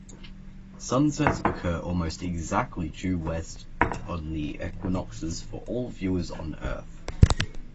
Sunsets occur almost exactly due west on the equinoxes for all viewers on Earth.